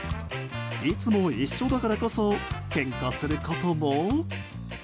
いつも一緒だからこそけんかすることも。